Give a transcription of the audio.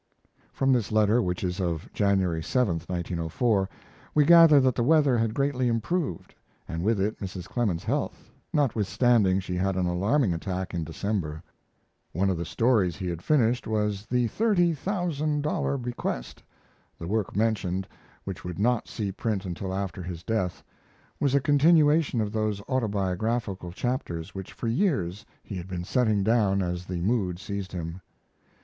From this letter, which is of January 7, 1904, we gather that the weather had greatly improved, and with it Mrs. Clemens's health, notwithstanding she had an alarming attack in December. One of the stories he had finished was "The $30,000 Bequest." The work mentioned, which would not see print until after his death, was a continuation of those autobiographical chapters which for years he had been setting down as the mood seized him.